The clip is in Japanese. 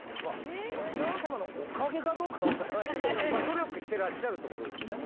そのヴィラン様のおかげかどうか分からないけど努力してらっしゃるってことですよね。